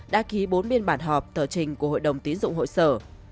đã ký bốn biên bản họp tờ trình của hội đồng tiến dụng hội sở